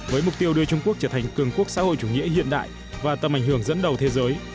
với mục tiêu đưa trung quốc trở thành cường quốc xã hội chủ nghĩa hiện đại và tầm ảnh hưởng dẫn đầu thế giới